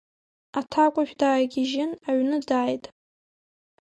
Аҭакәажә даагьежьын, аҩны дааит.